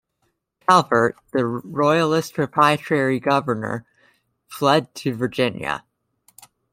Calvert, the royalist proprietary governor, fled to Virginia.